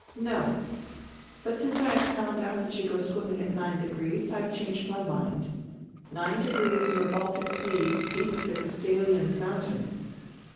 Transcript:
"No. But since I have found out diat you go swim ming at 9° I have changed my mind. Nine degrees in die Baltic Sea beats die Castalian Fountain."